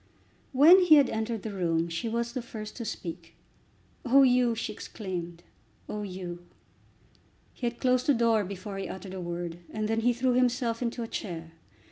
When he had entered the room she was the first to speak. "Oh, Hugh!" she exclaimed, "oh, Hugh!" He had closed the door before he uttered a word, and then he threw himself into a chair.